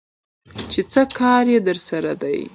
چې څه کار يې درسره دى?